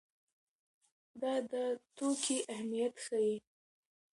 دا د توکي اهميت ښيي.